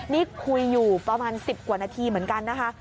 นี่คุยอยู่ประมาณ๑๐กว่านาทีเหมือนกันนะคะ